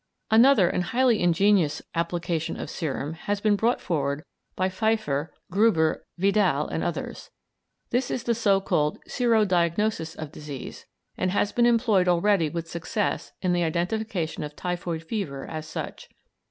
Another and highly ingenious application of serum has been brought forward by Pfeiffer, Gruber, Widal, and others. This is the so called sero diagnosis of disease, and has been employed already with success in the identification of typhoid fever as such.